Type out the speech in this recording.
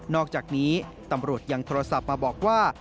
อกจากนี้ตำรวจยังโทรศัพท์มาบอกว่า